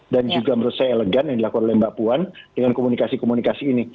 dan juga menurut saya elegan yang dilakukan oleh mbak puan dengan komunikasi komunikasi ini